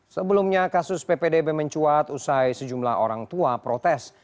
sebelumnya kasus ppdb mencuat usai sejumlah orang tua protes